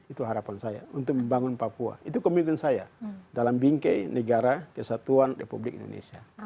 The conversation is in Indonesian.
itu harapan saya untuk membangun papua itu komitmen saya dalam bingkai negara kesatuan republik indonesia